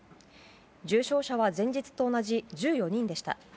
重症者は前日と同じ１４人でした。